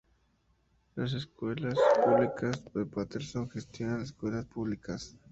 Las Escuelas Públicas de Paterson gestiona escuelas públicas.